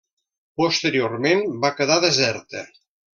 Posteriorment va quedar deserta.